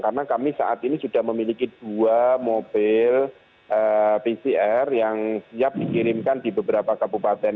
karena kami saat ini sudah memiliki dua mobil pcr yang siap dikirimkan di beberapa kabupaten